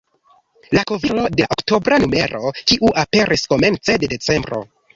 La kovrilo de la oktobra numero, kiu aperis komence de decembro.